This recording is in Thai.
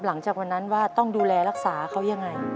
หลังจากวันนั้นว่าต้องดูแลรักษาเขายังไง